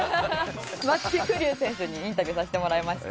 松木玖生選手にインタビューさせてもらいまして。